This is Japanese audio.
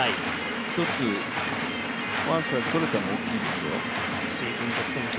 ひとつ、ワンストライクとれたのは大きいですよ。